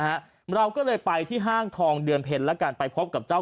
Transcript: เราก็เลยไปที่ห้างทองเดือนเพ็ญแล้วกันไปพบกับเจ้า